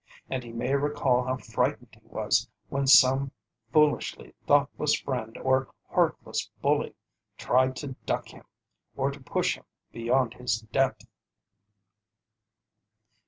And he may recall how frightened he was when some foolishly thoughtless friend or heartless bully tried to duck him, or to push him beyond his depth.